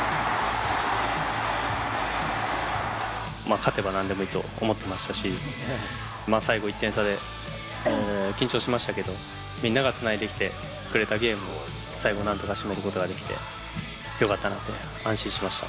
勝てばなんでもいいと思ってましたし、最後１点差で緊張しましたけど、みんながつないできてくれたゲームを、最後なんとか締めることができて、よかったなっと安心しました。